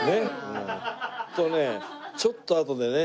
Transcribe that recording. ちょっとあとでね